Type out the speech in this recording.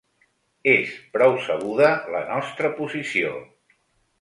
És prou sabuda la nostra posició.